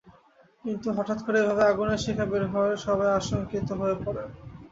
কিন্তু হঠাৎ করে এভাবে আগুনের শিখা বের হওয়ায় সবাই আতঙ্কিত হয়ে পড়েন।